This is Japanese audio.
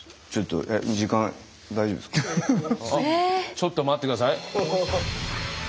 ちょっと待って下さい。